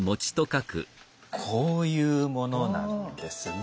こういうものなんですね。